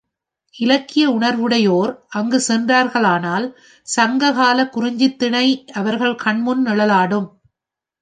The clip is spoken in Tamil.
இலக்கிய உணர்வுடையோர் அங்குச் சென்றார்களானால், சங்க காலக் குறிஞ்சித்திணை அவர்கள் கண்முன் நிழலாடும்.